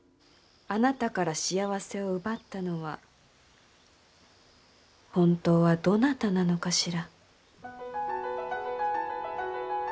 あなたから幸せを奪ったのは本当はどなたなのかしら。